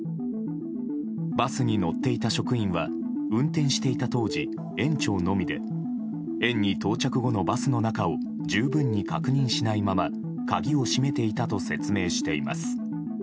バスに乗っていた職員は運転していた当時、園長のみで園に到着後のバスの中を十分に確認しないまま鍵を閉めていたと説明しています。